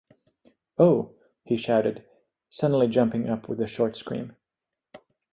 Oh!’ he shouted, suddenly jumping up with a short scream.